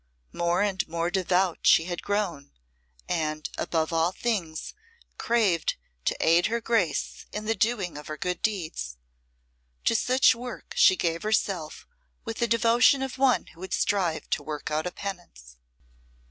More and more devout she had grown, and, above all things, craved to aid her Grace in the doing of her good deeds. To such work she gave herself with the devotion of one who would strive to work out a penance.